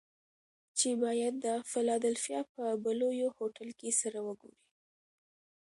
چې بايد د فلادلفيا په بلوويو هوټل کې سره وګوري.